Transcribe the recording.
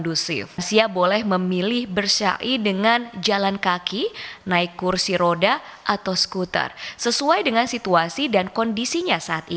tawaf ifadah merupakan salah satu hal yang harus dilakukan